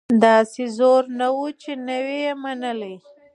داسي زور نه وو چي نه یې وي منلي